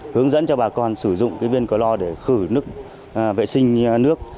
hướng dẫn cho bà con sử dụng cái viên clor để khử nước vệ sinh nước